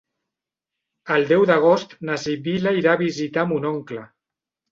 El deu d'agost na Sibil·la irà a visitar mon oncle.